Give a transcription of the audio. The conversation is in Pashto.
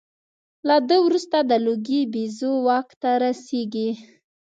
له ده وروسته د لوګي بیزو واک ته رسېږي.